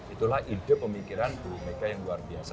itulah ide pemikiran bumega yang luar biasa